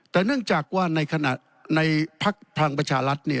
แต่เนื่องจากว่าในขณะในพักพลังประชารัฐ